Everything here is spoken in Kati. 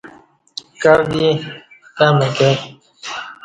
کہ وی کہ مکہ